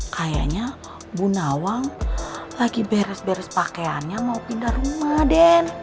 kayaknya bu nawang lagi beres beres pakaiannya mau pindah rumah den